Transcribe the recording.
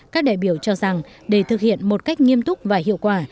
các đại biểu cho rằng để thực hiện một cách nghiêm túc và hiệu quả